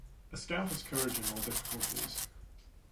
A Scout has courage in all difficulties.